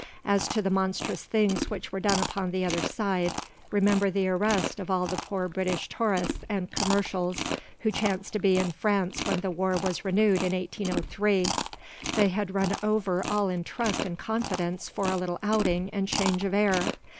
As to the monstrous things which were done upon the other side, remember the arrest of all the poor British tourists and commercials who chanced to be in France when the war was renewed in 1803. They had run over in all trust and confidence for a little outing and change of air.